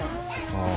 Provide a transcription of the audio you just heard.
ああ。